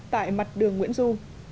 tại mặt đường nguyễn du